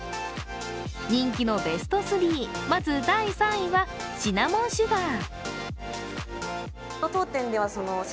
人気のベスト３、まず第３位はシナモンシュガー。